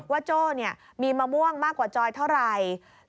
โจ้มีมะม่วงมากกว่าจอยเท่าไหร่